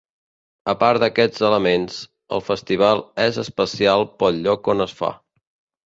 A part d’aquests elements, el festival és especial pel lloc on es fa.